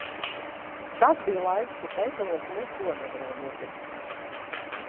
Tas bija laiks, kad veikalos neko nevarēja nopirkt.